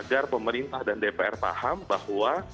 agar pemerintah dan dpr paham bahwa